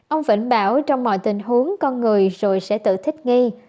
ông phỉnh bảo trong mọi tình huống con người rồi sẽ tự thích nghi